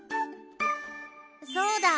そうだ！